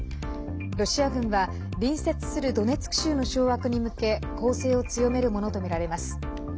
ロシア軍は隣接するドネツク州の掌握に向け攻勢を強めるものとみられます。